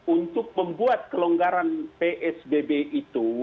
untuk membuat kelonggaran psbb itu